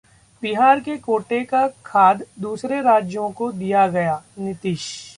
बिहार के कोटे का खाद दूसरे राज्यों को दिया गयाः नीतीश